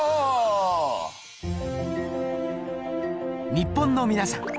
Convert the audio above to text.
日本の皆さん！